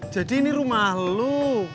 jadi ini rumah lu